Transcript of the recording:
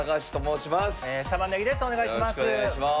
お願いします。